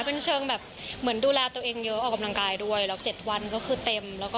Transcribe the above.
เป็นเชิงแบบเหมือนดูแลตัวเองเยอะออกกำลังกายด้วยแล้ว๗วันก็คือเต็มแล้วก็